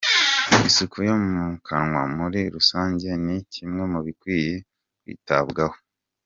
Isuku yo mu kanwa muri rusange ni kimwe mu bikwiye kwitabwaho.